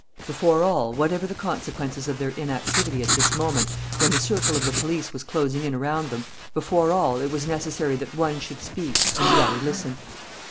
Before all, whatever the consequences of their inactivity at this moment when the circle of the police was closing in around them, before all it was necessary that one should speak and the other listen.